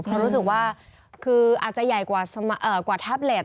เพราะรู้สึกว่าคืออาจจะใหญ่กว่าแท็บเล็ต